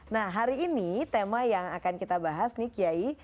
nah hari ini tema yang akan kita bahas nih kiai